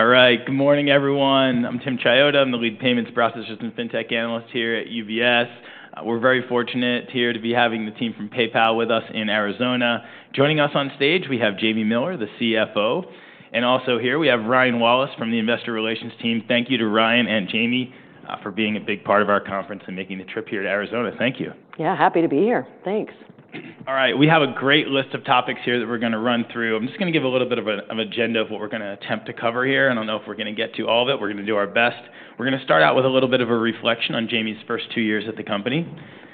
All right. Good morning, everyone. I'm Tim Chiodo. I'm the lead payments processor and fintech analyst here at UBS. We're very fortunate here to be having the team from PayPal with us in Arizona. Joining us on stage, we have Jamie Miller, the CFO. And also here, we have Ryan Wallace from the investor relations team. Thank you to Ryan and Jamie for being a big part of our conference and making the trip here to Arizona. Thank you. Yeah, happy to be here. Thanks. All right. We have a great list of topics here that we're going to run through. I'm just going to give a little bit of an agenda of what we're going to attempt to cover here. I don't know if we're going to get to all of it. We're going to do our best. We're going to start out with a little bit of a reflection on Jamie's first two years at the company.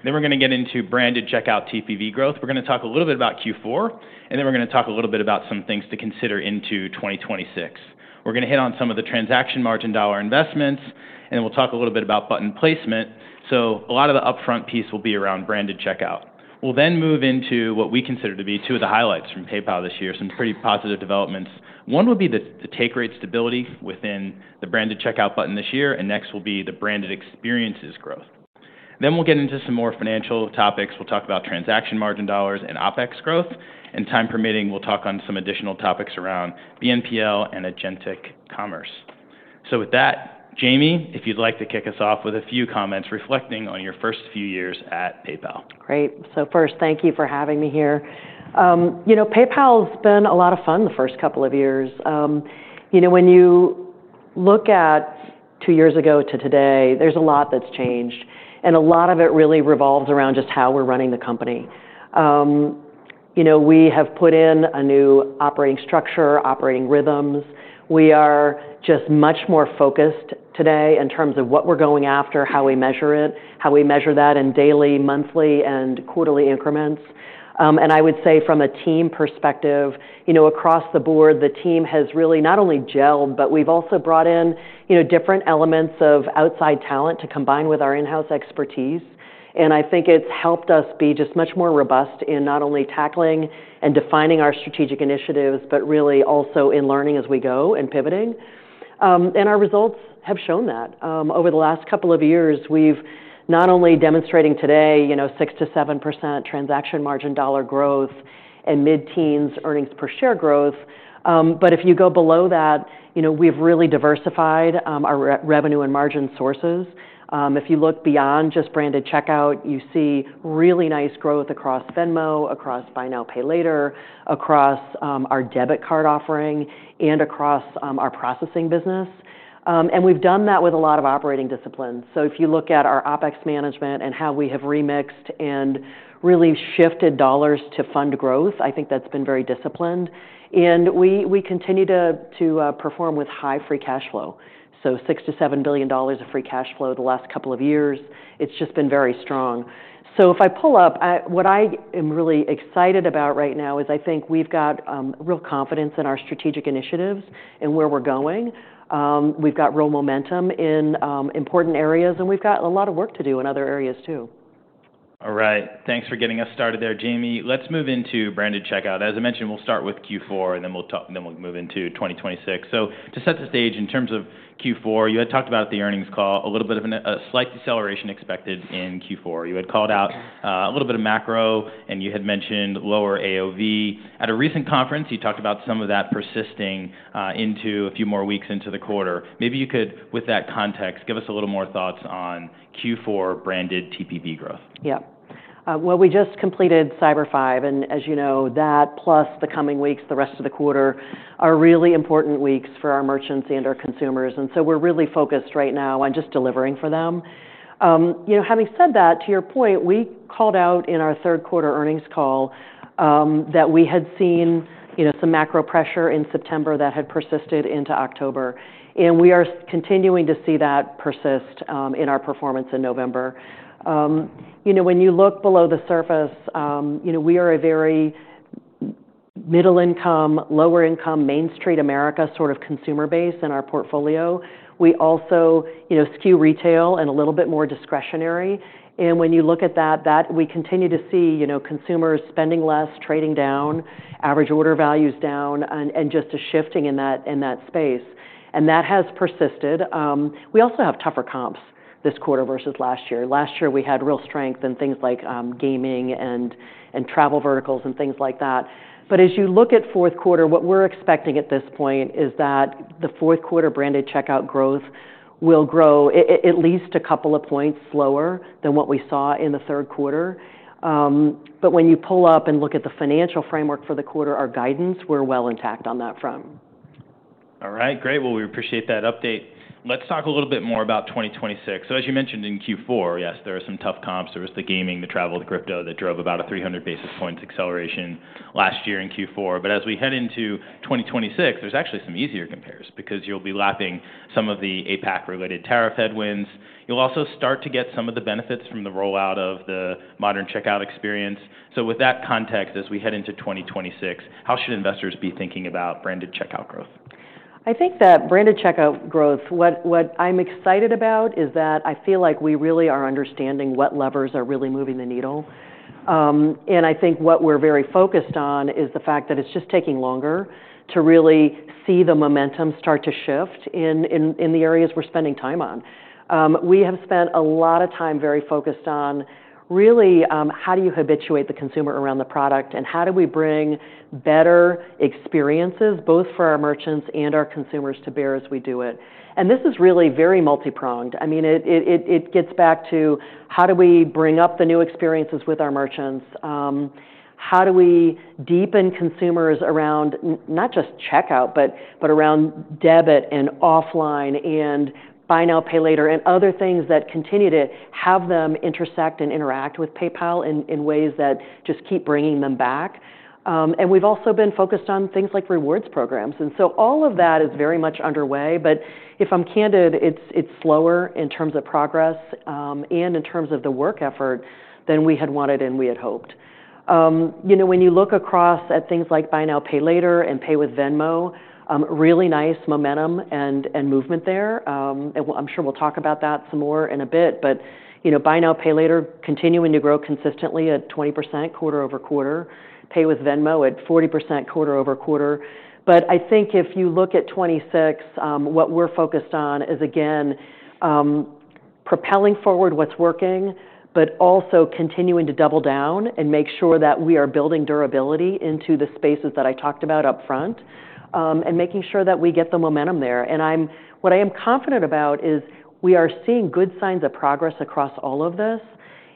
Then we're going to get into branded checkout TPV growth. We're going to talk a little bit about Q4. And then we're going to talk a little bit about some things to consider into 2026. We're going to hit on some of the transaction margin dollar investments. And then we'll talk a little bit about button placement. So a lot of the upfront piece will be around branded checkout. We'll then move into what we consider to be two of the highlights from PayPal this year, some pretty positive developments. One would be the take rate stability within the branded checkout button this year, and next will be the branded experiences growth, then we'll get into some more financial topics. We'll talk about transaction margin dollars and OpEx growth, and time permitting, we'll talk on some additional topics around BNPL and agentic commerce, so with that, Jamie, if you'd like to kick us off with a few comments reflecting on your first few years at PayPal. Great. So first, thank you for having me here. You know, PayPal has been a lot of fun the first couple of years. You know, when you look at two years ago to today, there's a lot that's changed. And a lot of it really revolves around just how we're running the company. You know, we have put in a new operating structure, operating rhythms. We are just much more focused today in terms of what we're going after, how we measure it, how we measure that in daily, monthly, and quarterly increments. And I would say from a team perspective, you know, across the board, the team has really not only gelled, but we've also brought in different elements of outside talent to combine with our in-house expertise. And I think it's helped us be just much more robust in not only tackling and defining our strategic initiatives, but really also in learning as we go and pivoting. And our results have shown that. Over the last couple of years, we've not only demonstrating today, you know, 6%-7% transaction margin dollar growth and mid-teens earnings per share growth. But if you go below that, you know, we've really diversified our revenue and margin sources. If you look beyond just branded checkout, you see really nice growth across Venmo, across Buy Now Pay Later, across our debit card offering, and across our processing business. And we've done that with a lot of operating disciplines. So if you look at our OpEx management and how we have remixed and really shifted dollars to fund growth, I think that's been very disciplined. And we continue to perform with high free cash flow. So $6-$7 billion of free cash flow the last couple of years, it's just been very strong. So if I pull up, what I am really excited about right now is I think we've got real confidence in our strategic initiatives and where we're going. We've got real momentum in important areas. And we've got a lot of work to do in other areas too. All right. Thanks for getting us started there, Jamie. Let's move into branded checkout. As I mentioned, we'll start with Q4, and then we'll move into 2026. So to set the stage in terms of Q4, you had talked about the earnings call, a little bit of a slight deceleration expected in Q4. You had called out a little bit of macro, and you had mentioned lower AOV. At a recent conference, you talked about some of that persisting into a few more weeks into the quarter. Maybe you could, with that context, give us a little more thoughts on Q4 branded TPV growth. Yep, well, we just completed Cyber Five. As you know, that plus the coming weeks, the rest of the quarter are really important weeks for our merchants and our consumers, so we're really focused right now on just delivering for them. You know, having said that, to your point, we called out in our third quarter earnings call that we had seen some macro pressure in September that had persisted into October. We are continuing to see that persist in our performance in November. You know, when you look below the surface, you know, we are a very middle-income, lower-income, Main Street America sort of consumer base in our portfolio. We also skew retail and a little bit more discretionary. When you look at that, we continue to see consumers spending less, trading down, average order values down, and just a shifting in that space. And that has persisted. We also have tougher comps this quarter versus last year. Last year, we had real strength in things like gaming and travel verticals and things like that. But as you look at fourth quarter, what we're expecting at this point is that the fourth quarter branded checkout growth will grow at least a couple of points slower than what we saw in the third quarter. But when you pull up and look at the financial framework for the quarter, our guidance, we're well intact on that front. All right. Great. Well, we appreciate that update. Let's talk a little bit more about 2026. So as you mentioned in Q4, yes, there are some tough comps. There was the gaming, the travel, the crypto that drove about a 300 basis points acceleration last year in Q4. But as we head into 2026, there's actually some easier compares because you'll be lapping some of the APAC-related tariff headwinds. You'll also start to get some of the benefits from the rollout of the modern checkout experience. So with that context, as we head into 2026, how should investors be thinking about branded checkout growth? I think that branded checkout growth, what I'm excited about is that I feel like we really are understanding what levers are really moving the needle. And I think what we're very focused on is the fact that it's just taking longer to really see the momentum start to shift in the areas we're spending time on. We have spent a lot of time very focused on really how do you habituate the consumer around the product and how do we bring better experiences both for our merchants and our consumers to bear as we do it. And this is really very multi-pronged. I mean, it gets back to how do we bring up the new experiences with our merchants? How do we deepen consumers around not just checkout, but around debit Buy Now Pay Later and other things that continue to have them intersect and interact with PayPal in ways that just keep bringing them back? And we've also been focused on things like rewards programs. And so all of that is very much underway. But if I'm candid, it's slower in terms of progress and in terms of the work effort than we had wanted and we had hoped. You know, when you look across Buy Now Pay Later and pay with Venmo, really nice momentum and movement there. And I'm sure we'll talk about that some more in Buy Now Pay Later continuing to grow consistently at 20% quarter over quarter, pay with Venmo at 40% quarter over quarter. But I think if you look at 2026, what we're focused on is, again, propelling forward what's working, but also continuing to double down and make sure that we are building durability into the spaces that I talked about upfront and making sure that we get the momentum there. And what I am confident about is we are seeing good signs of progress across all of this.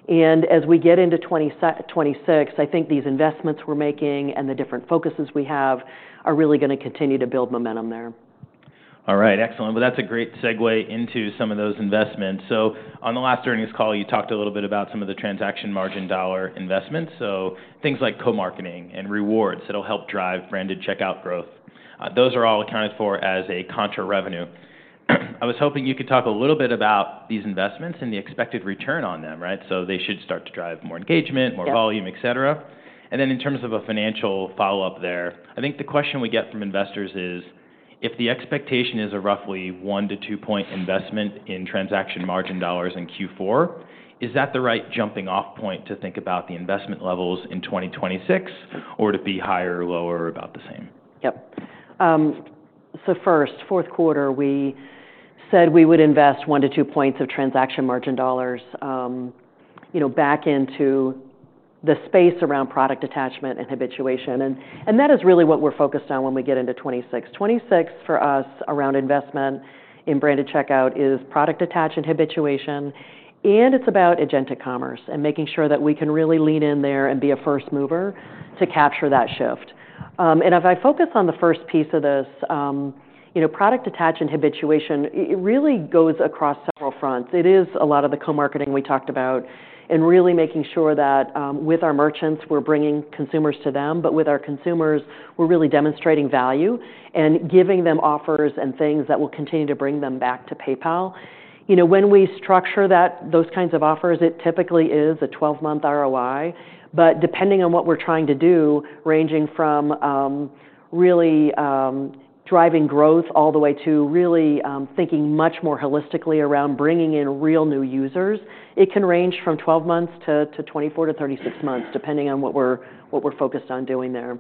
And as we get into 2026, I think these investments we're making and the different focuses we have are really going to continue to build momentum there. All right. Excellent. Well, that's a great segue into some of those investments. So on the last earnings call, you talked a little bit about some of the transaction margin dollar investments. So things like co-marketing and rewards that will help drive branded checkout growth. Those are all accounted for as a contra revenue. I was hoping you could talk a little bit about these investments and the expected return on them, right? So they should start to drive more engagement, more volume, et cetera. And then in terms of a financial follow-up there, I think the question we get from investors is, if the expectation is a roughly one-two-point investment in transaction margin dollars in Q4, is that the right jumping-off point to think about the investment levels in 2026, or would it be higher or lower or about the same? Yep. So first, fourth quarter, we said we would invest one to two points of transaction margin dollars back into the space around product attachment and habituation. And that is really what we're focused on when we get into 2026. 2026 for us around investment in branded checkout is product attach and habituation. And it's about agentic commerce and making sure that we can really lean in there and be a first mover to capture that shift. And if I focus on the first piece of this, product attach and habituation, it really goes across several fronts. It is a lot of the co-marketing we talked about and really making sure that with our merchants, we're bringing consumers to them. But with our consumers, we're really demonstrating value and giving them offers and things that will continue to bring them back to PayPal. You know, when we structure those kinds of offers, it typically is a 12-month ROI. But depending on what we're trying to do, ranging from really driving growth all the way to really thinking much more holistically around bringing in real new users, it can range from 12 months to 24-36 months, depending on what we're focused on doing there,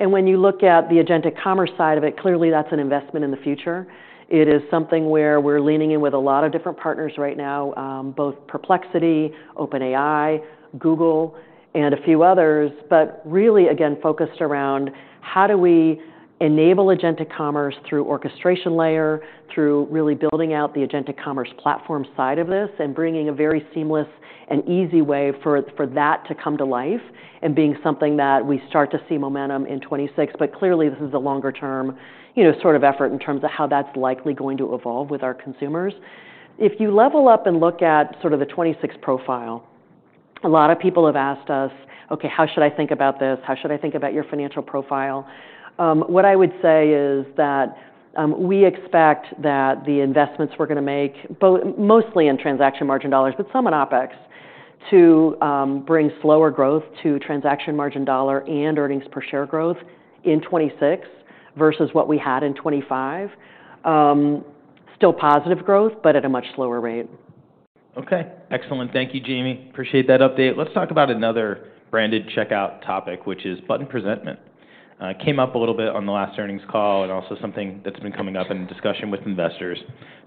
and when you look at the agentic commerce side of it, clearly that's an investment in the future. It is something where we're leaning in with a lot of different partners right now, both Perplexity, OpenAI, Google, and a few others, but really, again, focused around how do we enable agentic commerce through orchestration layer, through really building out the agentic commerce platform side of this and bringing a very seamless and easy way for that to come to life and being something that we start to see momentum in 2026. But clearly, this is a longer-term sort of effort in terms of how that's likely going to evolve with our consumers. If you level up and look at sort of the 2026 profile, a lot of people have asked us, "Okay, how should I think about this? How should I think about your financial profile?" What I would say is that we expect that the investments we're going to make, mostly in transaction margin dollars, but some in OpEx, to bring slower growth to transaction margin dollar and earnings per share growth in 2026 versus what we had in 2025. Still positive growth, but at a much slower rate. Okay. Excellent. Thank you, Jamie. Appreciate that update. Let's talk about another branded checkout topic, which is button presentment. Came up a little bit on the last earnings call and also something that's been coming up in discussion with investors.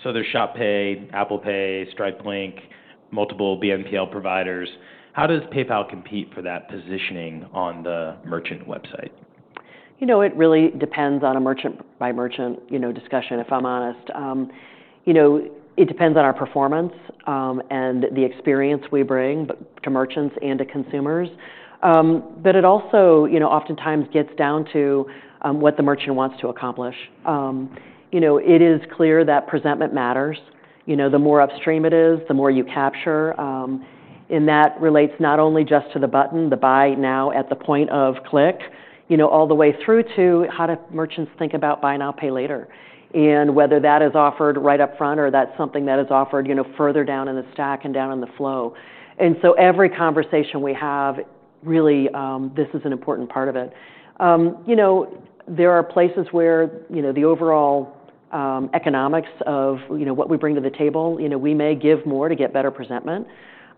So there's Shop Pay, Apple Pay, Stripe Link, multiple BNPL providers. How does PayPal compete for that positioning on the merchant website? You know, it really depends on a merchant-by-merchant discussion, if I'm honest. You know, it depends on our performance and the experience we bring to merchants and to consumers. But it also oftentimes gets down to what the merchant wants to accomplish. You know, it is clear that presentment matters. You know, the more upstream it is, the more you capture. And that relates not only just to the button, the buy now at the point of click, you know, all the way through to how do Buy Now Pay Later, and whether that is offered right up front or that's something that is offered further down in the stack and down in the flow, and so every conversation we have, really, this is an important part of it. You know, there are places where the overall economics of what we bring to the table, we may give more to get better presentment,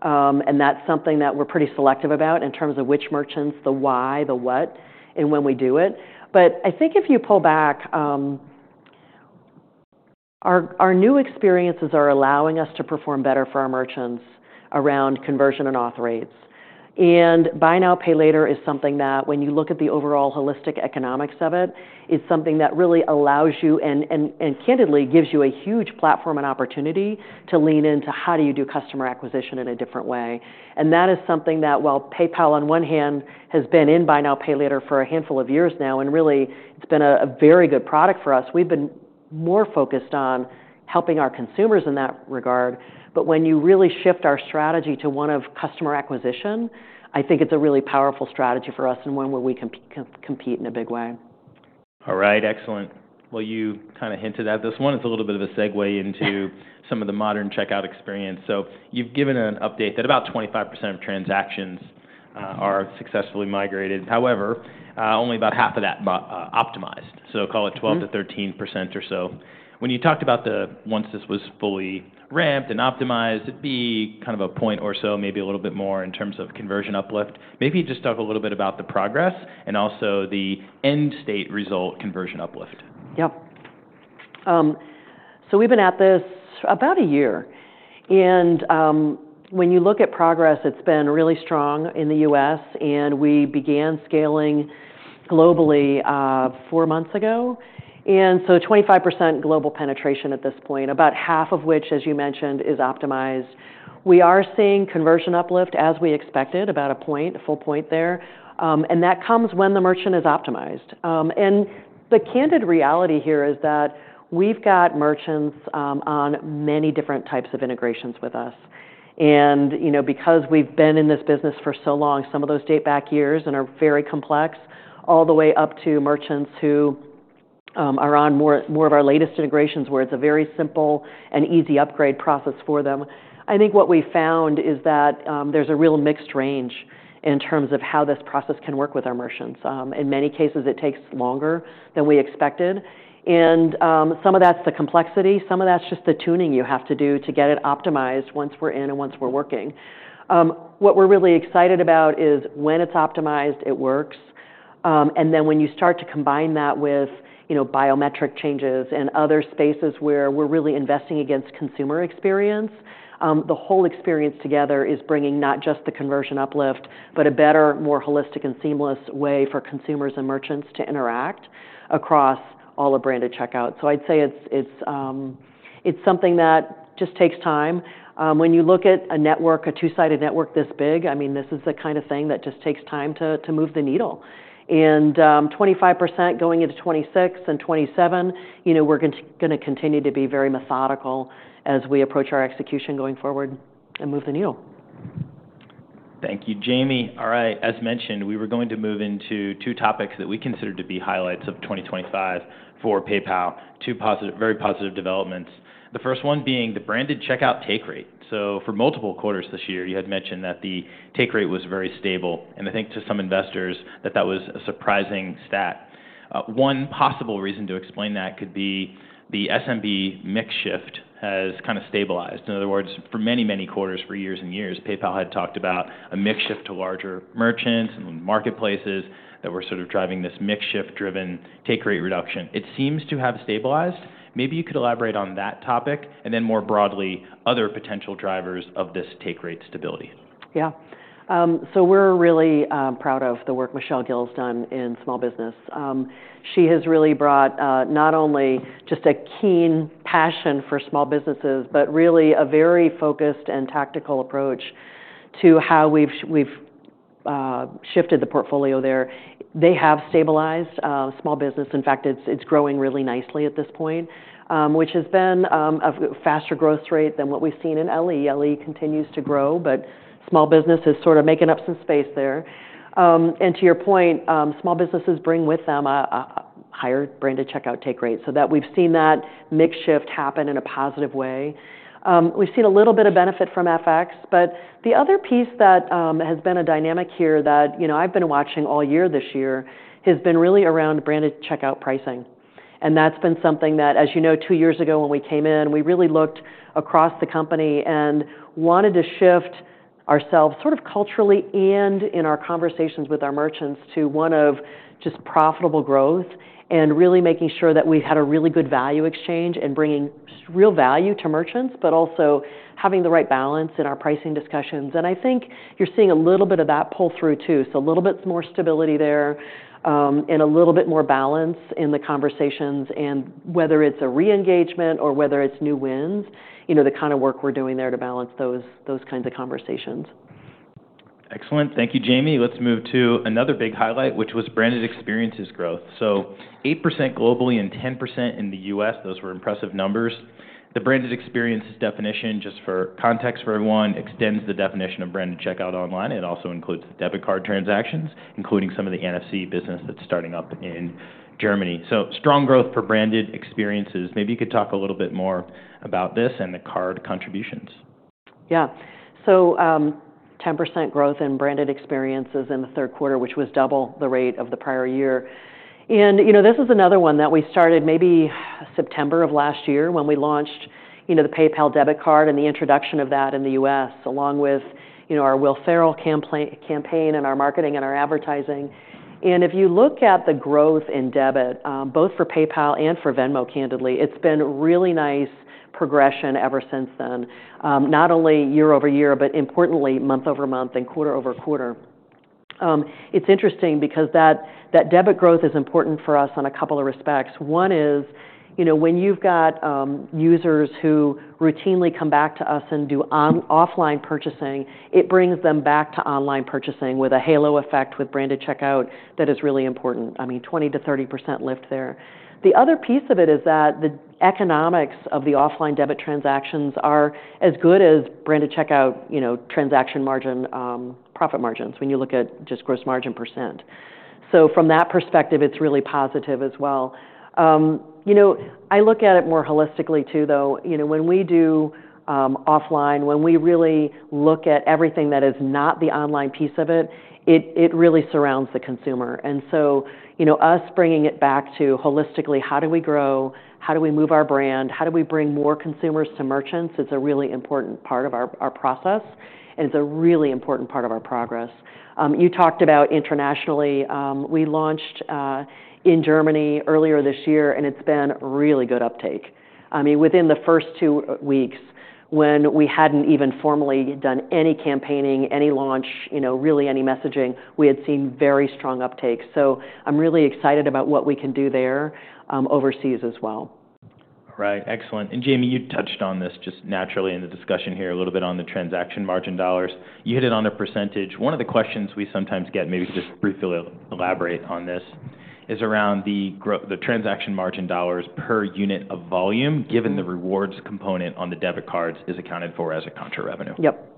and that's something that we're pretty selective about in terms of which merchants, the why, the what, and when we do it, but I think if you pull back, our new experiences are allowing us to perform better for our merchants around conversion and Buy Now Pay Later is something that when you look at the overall holistic economics of it, it's something that really allows you and candidly gives you a huge platform and opportunity to lean into how do you do customer acquisition in a different way. That is something that, while PayPal on one hand has been in Buy Now Pay Later for a handful of years now, and really it's been a very good product for us, we've been more focused on helping our consumers in that regard. But when you really shift our strategy to one of customer acquisition, I think it's a really powerful strategy for us and one where we compete in a big way. All right. Excellent. Well, you kind of hinted at this one. It's a little bit of a segue into some of the modern checkout experience. So you've given an update that about 25% of transactions are successfully migrated. However, only about half of that optimized. So call it 12%-13% or so. When you talked about the once this was fully ramped and optimized, it'd be kind of a point or so, maybe a little bit more in terms of conversion uplift. Maybe you just talk a little bit about the progress and also the end state result conversion uplift. Yep. So we've been at this about a year. And when you look at progress, it's been really strong in the U.S. And we began scaling globally four months ago. And so 25% global penetration at this point, about half of which, as you mentioned, is optimized. We are seeing conversion uplift as we expected, about a point, a full point there. And that comes when the merchant is optimized. And the candid reality here is that we've got merchants on many different types of integrations with us. And because we've been in this business for so long, some of those date back years and are very complex, all the way up to merchants who are on more of our latest integrations where it's a very simple and easy upgrade process for them. I think what we found is that there's a real mixed range in terms of how this process can work with our merchants. In many cases, it takes longer than we expected. And some of that's the complexity. Some of that's just the tuning you have to do to get it optimized once we're in and once we're working. What we're really excited about is when it's optimized, it works. And then when you start to combine that with biometric changes and other spaces where we're really investing against consumer experience, the whole experience together is bringing not just the conversion uplift, but a better, more holistic and seamless way for consumers and merchants to interact across all of branded checkout. So I'd say it's something that just takes time. When you look at a network, a two-sided network this big, I mean, this is the kind of thing that just takes time to move the needle. And 25% going into 2026 and 2027, we're going to continue to be very methodical as we approach our execution going forward and move the needle. Thank you, Jamie. All right. As mentioned, we were going to move into two topics that we consider to be highlights of 2025 for PayPal, two very positive developments. The first one being the branded checkout take rate. So for multiple quarters this year, you had mentioned that the take rate was very stable. And I think to some investors, that was a surprising stat. One possible reason to explain that could be the SMB mix shift has kind of stabilized. In other words, for many, many quarters, for years-and-years, PayPal had talked about a mix shift to larger merchants and marketplaces that were sort of driving this mix shift-driven take rate reduction. It seems to have stabilized. Maybe you could elaborate on that topic and then more broadly, other potential drivers of this take rate stability. Yeah. So we're really proud of the work Michelle Gill has done in small business. She has really brought not only just a keen passion for small businesses, but really a very focused and tactical approach to how we've shifted the portfolio there. They have stabilized small business. In fact, it's growing really nicely at this point, which has been a faster growth rate than what we've seen in LE. LE continues to grow, but small business is sort of making up some space there. And to your point, small businesses bring with them a higher branded checkout take rate. So that we've seen that mix shift happen in a positive way. We've seen a little bit of benefit from FX. But the other piece that has been a dynamic here that I've been watching all year this year has been really around branded checkout pricing. And that's been something that, as you know, two years ago when we came in, we really looked across the company and wanted to shift ourselves sort of culturally and in our conversations with our merchants to one of just profitable growth and really making sure that we've had a really good value exchange and bringing real value to merchants, but also having the right balance in our pricing discussions. And I think you're seeing a little bit of that pull through too. So a little bit more stability there and a little bit more balance in the conversations and whether it's a re-engagement or whether it's new wins, the kind of work we're doing there to balance those kinds of conversations. Excellent. Thank you, Jamie. Let's move to another big highlight, which was branded experiences growth, so 8% globally and 10% in the U.S. Those were impressive numbers. The branded experiences definition, just for context for everyone, extends the definition of branded checkout online. It also includes the debit card transactions, including some of the NFC business that's starting up in Germany, so strong growth for branded experiences. Maybe you could talk a little bit more about this and the card contributions. Yeah, so 10% growth in branded checkout in the third quarter, which was double the rate of the prior year, and this is another one that we started maybe September of last year when we launched the PayPal debit card and the introduction of that in the U.S., along with our Will Ferrell campaign and our marketing and our advertising. And if you look at the growth in debit, both for PayPal and for Venmo, candidly, it's been a really nice progression ever since then. Not only year-over-year, but importantly, month-over-month and quarter-over quarter. It's interesting because that debit growth is important for us on a couple of respects. One is when you've got users who routinely come back to us and do offline purchasing, it brings them back to online purchasing with a halo effect with branded checkout that is really important. I mean, 20%-30% lift there. The other piece of it is that the economics of the offline debit transactions are as good as branded checkout transaction profit margins when you look at just gross margin percent. So from that perspective, it's really positive as well. I look at it more holistically too, though. When we do offline, when we really look at everything that is not the online piece of it, it really surrounds the consumer. And so us bringing it back to holistically, how do we grow? How do we move our brand? How do we bring more consumers to merchants? It's a really important part of our process, and it's a really important part of our progress. You talked about internationally. We launched in Germany earlier this year, and it's been a really good uptake. I mean, within the first two weeks, when we hadn't even formally done any campaigning, any launch, really any messaging, we had seen very strong uptake. So I'm really excited about what we can do there overseas as well. All right. Excellent, and Jamie, you touched on this just naturally in the discussion here, a little bit on the transaction margin dollars. You hit it on a percentage. One of the questions we sometimes get, maybe just briefly elaborate on this, is around the transaction margin dollars per unit of volume, given the rewards component on the debit cards is accounted for as a contra revenue. Yep.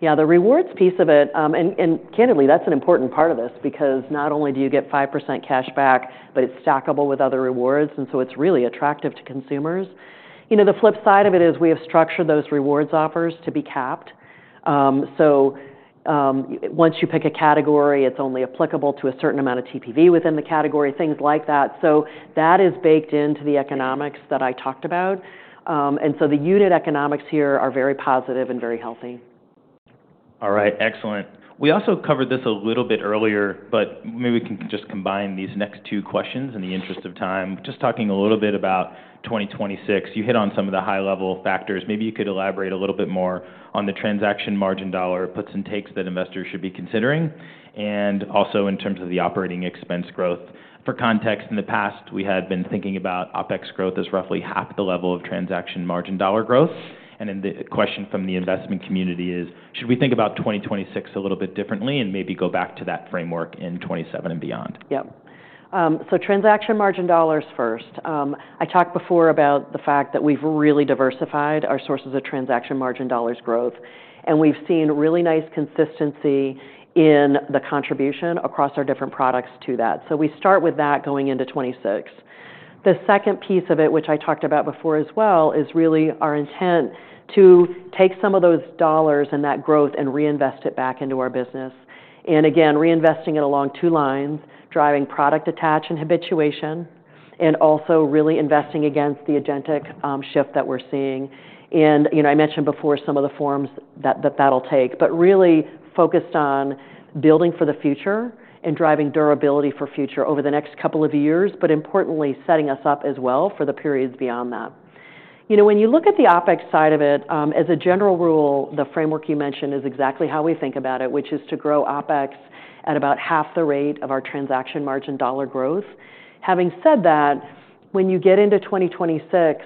Yeah, the rewards piece of it, and candidly, that's an important part of this because not only do you get 5% cash back, but it's stackable with other rewards, and so it's really attractive to consumers. The flip side of it is we have structured those rewards offers to be capped, so once you pick a category, it's only applicable to a certain amount of TPV within the category, things like that. So that is baked into the economics that I talked about, and so the unit economics here are very positive and very healthy. All right. Excellent. We also covered this a little bit earlier, but maybe we can just combine these next two questions in the interest of time. Just talking a little bit about 2026, you hit on some of the high-level factors. Maybe you could elaborate a little bit more on the transaction margin dollar puts and takes that investors should be considering, and also in terms of the operating expense growth. For context, in the past, we had been thinking about OpEx growth as roughly half the level of transaction margin dollar growth, and then the question from the investment community is, should we think about 2026 a little bit differently and maybe go back to that framework in 2027 and beyond? Yep. So transaction margin dollars first. I talked before about the fact that we've really diversified our sources of transaction margin dollars growth, and we've seen really nice consistency in the contribution across our different products to that. So we start with that going into 2026. The second piece of it, which I talked about before as well, is really our intent to take some of those dollars and that growth and reinvest it back into our business. And again, reinvesting it along two lines, driving product attach and habituation, and also really investing against the agentic shift that we're seeing. And I mentioned before some of the forms that that'll take, but really focused on building for the future and driving durability for future over the next couple of years, but importantly, setting us up as well for the periods beyond that. When you look at the OpEx side of it, as a general rule, the framework you mentioned is exactly how we think about it, which is to grow OpEx at about half the rate of our transaction margin dollar growth. Having said that, when you get into 2026,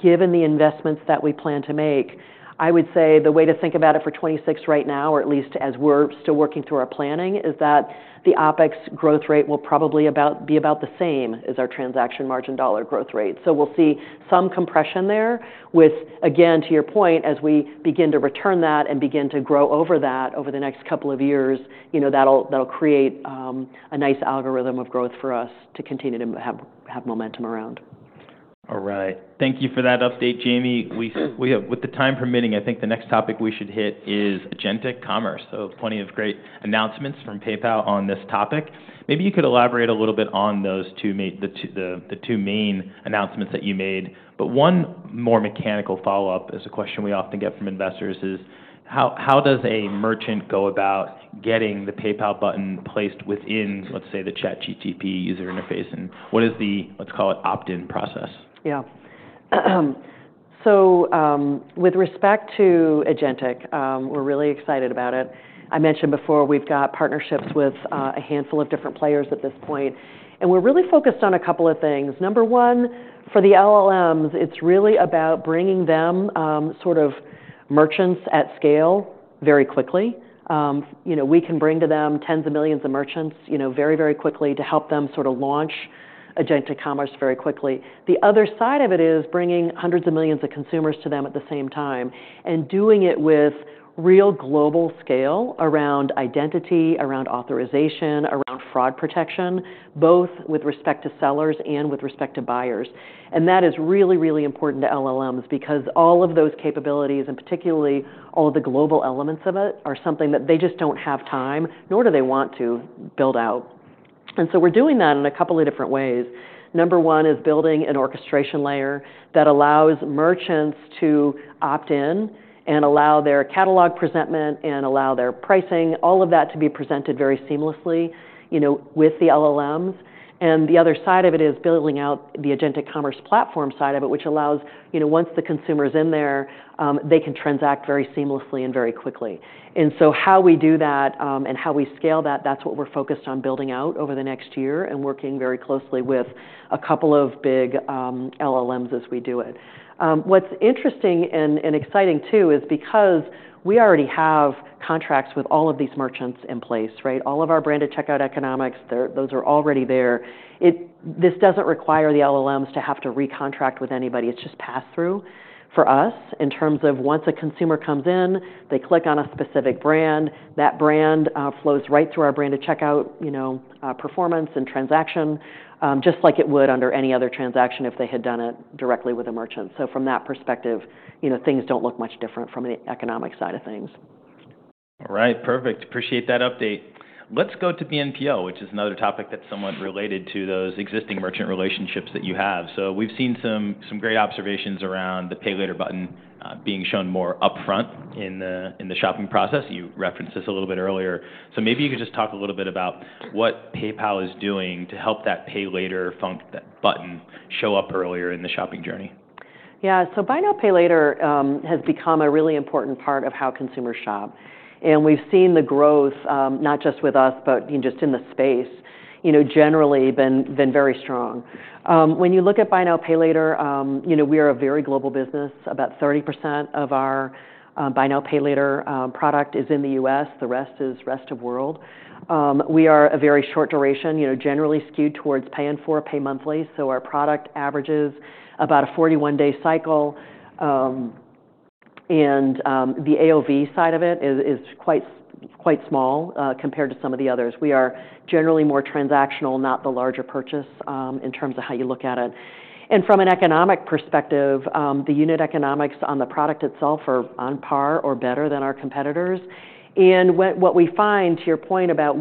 given the investments that we plan to make, I would say the way to think about it for 2026 right now, or at least as we're still working through our planning, is that the OpEx growth rate will probably be about the same as our transaction margin dollar growth rate. So we'll see some compression there, with, again, to your point, as we begin to return that and begin to grow over that over the next couple of years, that'll create a nice algorithm of growth for us to continue to have momentum around. All right. Thank you for that update, Jamie. With the time permitting, I think the next topic we should hit is agentic commerce. So plenty of great announcements from PayPal on this topic. Maybe you could elaborate a little bit on the two main announcements that you made. But one more mechanical follow-up is a question we often get from investors is, how does a merchant go about getting the PayPal button placed within, let's say, the ChatGPT user interface? And what is the, let's call it, opt-in process? Yeah. So with respect to agentic, we're really excited about it. I mentioned before, we've got partnerships with a handful of different players at this point. And we're really focused on a couple of things. Number one, for the LLMs, it's really about bringing them sort of merchants at scale very quickly. We can bring to them tens of millions of merchants very, very quickly to help them sort of launch agentic commerce very quickly. The other side of it is bringing hundreds of millions of consumers to them at the same time and doing it with real global scale around identity, around authorization, around fraud protection, both with respect to sellers and with respect to buyers. That is really, really important to LLMs because all of those capabilities, and particularly all of the global elements of it, are something that they just don't have time, nor do they want to build out. We're doing that in a couple of different ways. Number one is building an orchestration layer that allows merchants to opt in and allow their catalog presentment and allow their pricing, all of that to be presented very seamlessly with the LLMs. The other side of it is building out the agentic commerce platform side of it, which allows once the consumer's in there, they can transact very seamlessly and very quickly. How we do that and how we scale that, that's what we're focused on building out over the next year and working very closely with a couple of big LLMs as we do it. What's interesting and exciting too is because we already have contracts with all of these merchants in place, right? All of our branded checkout economics, those are already there. This doesn't require the LLMs to have to recontract with anybody. It's just passed through for us in terms of once a consumer comes in, they click on a specific brand, that brand flows right through our branded checkout performance and transaction, just like it would under any other transaction if they had done it directly with a merchant. So from that perspective, things don't look much different from the economic side of things. All right. Perfect. Appreciate that update. Let's go to BNPL, which is another topic that's somewhat related to those existing merchant relationships that you have. So we've seen some great observations around the Pay Later button being shown more upfront in the shopping process. You referenced this a little bit earlier. So maybe you could just talk a little bit about what PayPal is doing to help that Pay Later button show up earlier in the shopping journey. Yeah, so Buy Now Pay Later has become a really important part of how consumers shop. And we've seen the growth, not just with us, but just in the space, generally been very strong. When you look at Buy Now Pay Later, we are a very global business. About 30% of our Buy Now Pay Later product is in the U.S. The rest is rest of world. We are a very short duration, generally skewed towards pay in full, pay monthly. So our product averages about a 41-day cycle. And the AOV side of it is quite small compared to some of the others. We are generally more transactional, not the larger purchase in terms of how you look at it. And from an economic perspective, the unit economics on the product itself are on par or better than our competitors. What we find, to your point about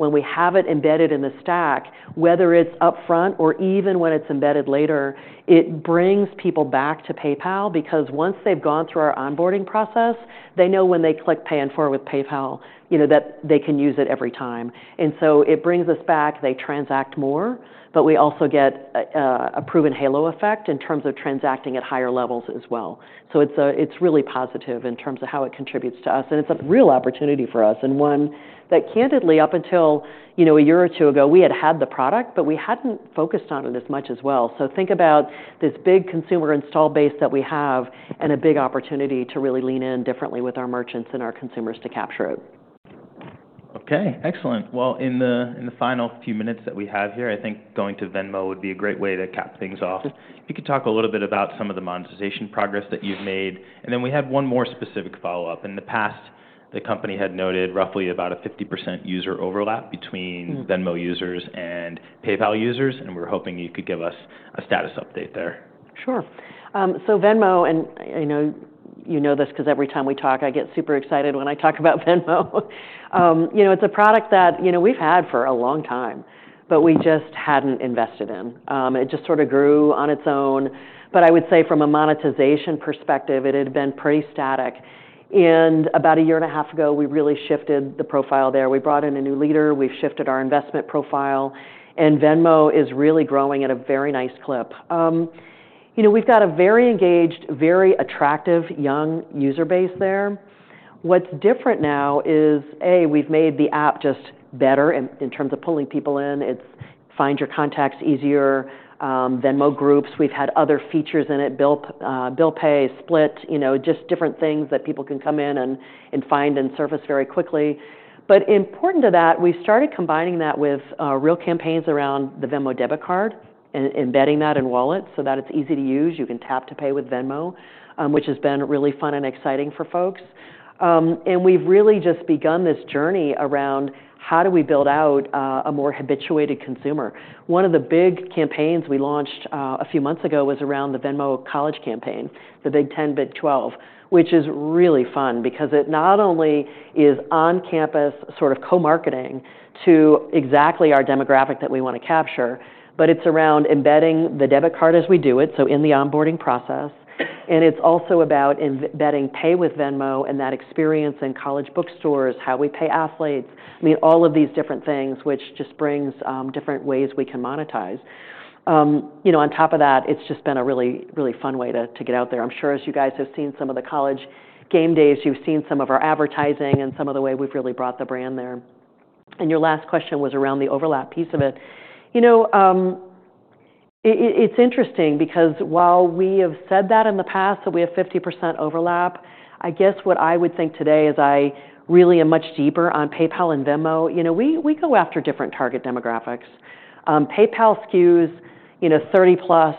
when we have it embedded in the stack, whether it's upfront or even when it's embedded later, it brings people back to PayPal because once they've gone through our onboarding process, they know when they click pay in full with PayPal that they can use it every time. And so it brings us back. They transact more, but we also get a proven halo effect in terms of transacting at higher levels as well. So it's really positive in terms of how it contributes to us. And it's a real opportunity for us. And one that candidly, up until a year or two ago, we had had the product, but we hadn't focused on it as much as well. So think about this big consumer installed base that we have and a big opportunity to really lean in differently with our merchants and our consumers to capture it. Okay. Excellent. Well, in the final few minutes that we have here, I think going to Venmo would be a great way to cap things off. If you could talk a little bit about some of the monetization progress that you've made? And then we had one more specific follow-up. In the past, the company had noted roughly about a 50% user overlap between Venmo users and PayPal users. And we're hoping you could give us a status update there. Sure, so Venmo, and you know this because every time we talk, I get super excited when I talk about Venmo. It's a product that we've had for a long time, but we just hadn't invested in. It just sort of grew on its own. But I would say from a monetization perspective, it had been pretty static. About a year and a half ago, we really shifted the profile there. We brought in a new leader. We've shifted our investment profile. Venmo is really growing at a very nice clip. We've got a very engaged, very attractive young user base there. What's different now is, A, we've made the app just better in terms of pulling people in. It's find your contacts easier. Venmo groups. We've had other features in it, Bill Pay, Split, just different things that people can come in and find and surface very quickly. But important to that, we started combining that with real campaigns around the Venmo debit card and embedding that in wallets so that it's easy to use. You can tap to pay with Venmo, which has been really fun and exciting for folks. And we've really just begun this journey around how do we build out a more habituated consumer. One of the big campaigns we launched a few months ago was around the Venmo College campaign, the Big 10, Big 12, which is really fun because it not only is on-campus sort of co-marketing to exactly our demographic that we want to capture, but it's around embedding the debit card as we do it, so in the onboarding process. It's also about embedding Pay with Venmo and that experience in college bookstores, how we pay athletes, I mean, all of these different things, which just brings different ways we can monetize. On top of that, it's just been a really, really fun way to get out there. I'm sure as you guys have seen some of the college game days, you've seen some of our advertising and some of the way we've really brought the brand there. Your last question was around the overlap piece of it. It's interesting because while we have said that in the past that we have 50% overlap, I guess what I would think today as I really am much deeper on PayPal and Venmo, we go after different target demographics. PayPal skews 30-plus,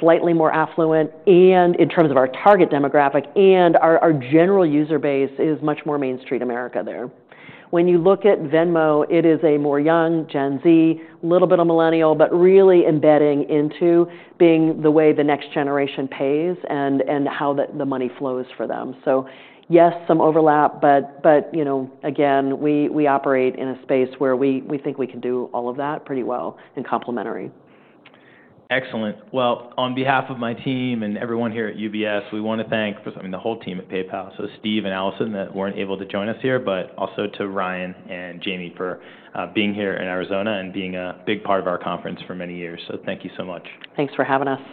slightly more affluent, and in terms of our target demographic and our general user base is much more Main Street America there. When you look at Venmo, it is a more young Gen Z, a little bit of millennial, but really embedding into being the way the next generation pays and how the money flows for them, so yes, some overlap, but again, we operate in a space where we think we can do all of that pretty well and complementary. Excellent. Well, on behalf of my team and everyone here at UBS, we want to thank, I mean, the whole team at PayPal, so Steve and Allison that weren't able to join us here, but also to Ryan and Jamie for being here in Arizona and being a big part of our conference for many years. So thank you so much. Thanks for having us.